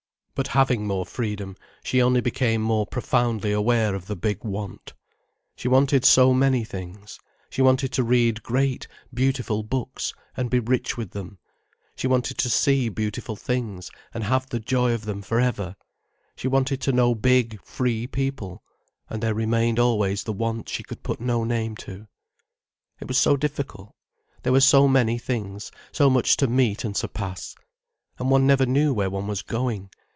But having more freedom she only became more profoundly aware of the big want. She wanted so many things. She wanted to read great, beautiful books, and be rich with them; she wanted to see beautiful things, and have the joy of them for ever; she wanted to know big, free people; and there remained always the want she could put no name to. It was so difficult. There were so many things, so much to meet and surpass. And one never knew where one was going.